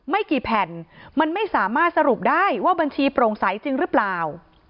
ไม่กี่แผ่นมันไม่สามารถสรุปได้ว่าบัญชีโปร่งใสจริงหรือเปล่า